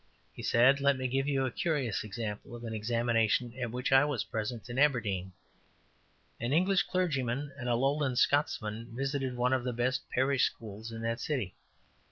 He said: `Let me give you a curious example of an examination at which I was present in Aberdeen. An English clergyman and a Lowland Scotsman visited one of the best parish schools in that city.